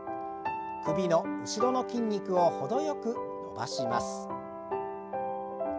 首の後ろの筋肉を程よく伸ばします。